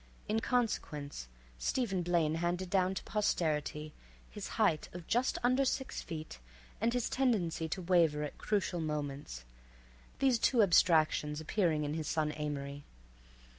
In consequence, Stephen Blaine handed down to posterity his height of just under six feet and his tendency to waver at crucial moments, these two abstractions appearing in his son Amory.